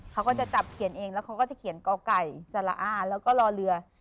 เขาก็จะจับเขียนเองแล้วเขาก็จะเขียนก่อไก่สละอ้าแล้วก็รอเรือ